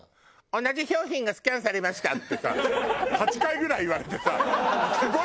「同じ商品がスキャンされました」ってさ８回ぐらい言われてさすごい恥ずかしいのよ。